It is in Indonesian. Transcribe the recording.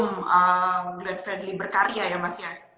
glenn friendly berkarya ya mas ya